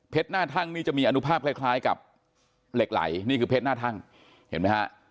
หน้าทั่งนี่จะมีอนุภาพคล้ายกับเหล็กไหลนี่คือเพชรหน้าทั่งเห็นไหมฮะ